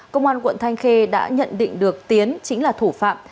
công an quận thanh khê đã nhận định được tiến chính là thủ phạm